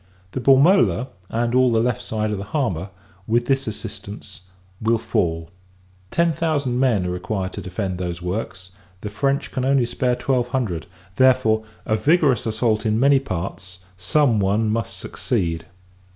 The Bormola, and all the left side of the harbour, with this assistance, will fall. Ten thousand men are required to defend those works, the French can only spare twelve hundred; therefore, a vigorous assault in many parts, some one must succeed.